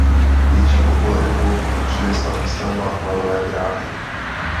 Větší popularitu mu přinesla výstavba lanové dráhy.